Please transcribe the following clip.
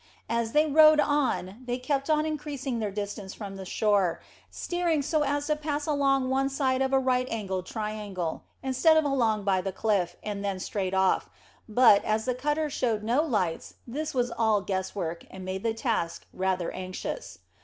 As they rowed on, they kept on increasing their distance from the shore, steering so as to pass along one side of a right angled triangle, instead of along by the cliff and then straight off; but, as the cutter showed no lights, this was all guess work, and made the task rather anxious.